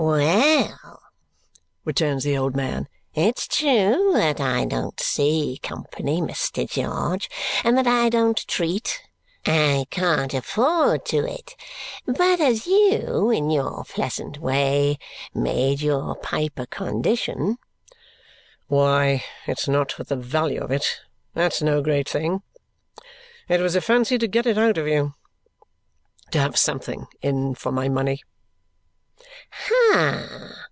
"Well," returns the old man, "it's true that I don't see company, Mr. George, and that I don't treat. I can't afford to it. But as you, in your pleasant way, made your pipe a condition " "Why, it's not for the value of it; that's no great thing. It was a fancy to get it out of you. To have something in for my money." "Ha!